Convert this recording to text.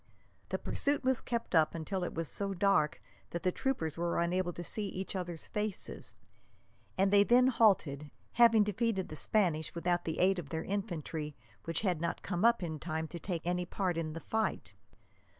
The pursuit was kept up until it was so dark that the troopers were unable to see each other's faces, and they then halted, having defeated the Spanish without the aid of their infantry, which had not come up in time to take any part in the fight.